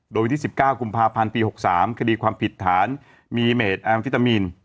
โดยวันที่๑๙กุมภาพันธ์ปี๖๓คดีความผิดฐานมีเมดแอมฟิตามีน